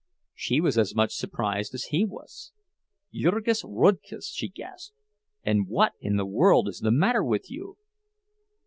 She was as much surprised as he was. "Jurgis Rudkus!" she gasped. "And what in the world is the matter with you?"